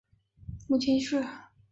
母秦氏。